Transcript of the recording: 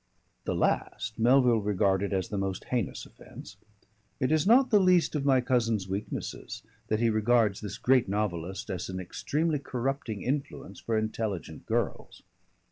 The last Melville regarded as the most heinous offence. It is not the least of my cousin's weaknesses that he regards this great novelist as an extremely corrupting influence for intelligent girls.